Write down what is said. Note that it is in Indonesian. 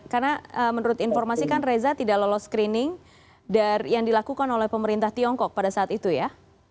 karena menurut informasi kan reza tidak lolos screening yang dilakukan oleh pemerintah tiongkok pada saat itu ya